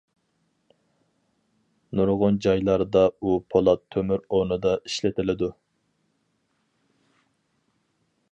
نۇرغۇن جايلاردا ئۇ پولات-تۆمۈر ئورنىدا ئىشلىتىلىدۇ!